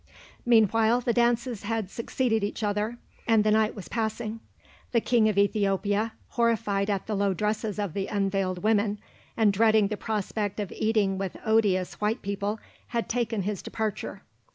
Meanwhile the dances had succeeded each other and the night was passing. The King of Ethiopia, horrified at the low dresses of the unveiled women and dreading the prospect of eating with odious white people, had taken his departure.